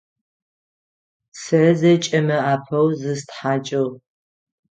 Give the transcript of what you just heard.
Сэ зэкӏэми апэу зыстхьакӏыгъ.